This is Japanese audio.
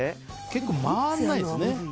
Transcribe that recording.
結構、回らないですね。